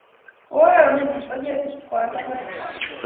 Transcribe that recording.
Kawo kamennyi soket ipkoal logoek.